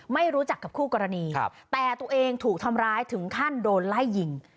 ไม่รู้จักกับคู่กรณีแต่ตัวเองถูกทำร้ายถึงขั้นโดนไล่ยิง